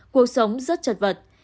cuộc sống rất chật vật